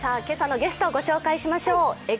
今朝のゲストをご紹介しましょう。